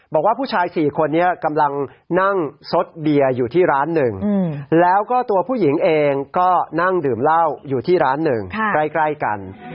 บอกว่าผู้ชาย๔คนนี้กำลังนั่งซดเบียร์อยู่ที่ร้านหนึ่งแล้วก็ตัวผู้หญิงเองก็นั่งดื่มเหล้าอยู่ที่ร้านหนึ่งใกล้กัน